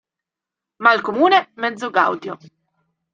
Mal comune, mezzo gaudio.